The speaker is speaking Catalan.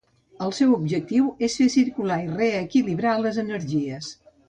El seu objectiu és fer circular i reequilibrar les energies.